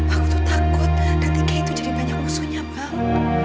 aku tuh takut ketika itu jadi banyak musuhnya bang